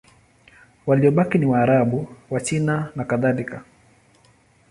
Waliobaki ni Waarabu, Wachina nakadhalika.